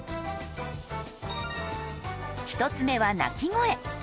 １つ目は鳴き声。